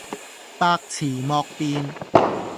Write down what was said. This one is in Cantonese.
百辭莫辯